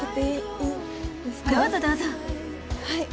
はい。